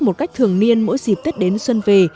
một cách thường niên mỗi dịp tết đến xuân về